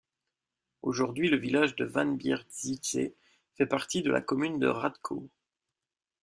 Aujourd’hui, le village de Wambierzyce fait partie de la commune de Radków.